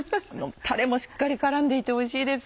タレもしっかり絡んでいておいしいです。